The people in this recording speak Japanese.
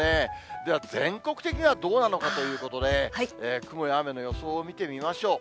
では全国的にはどうなのかということで、雲や雨の予想を見てみましょう。